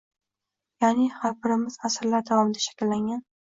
ya’ni har birimiz asrlar davomida shakllangan